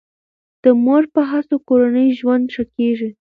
د مور په هڅو کورنی ژوند ښه کیږي.